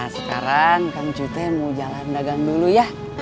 sekarang kang incuy teh mau jalan dagang dulu ya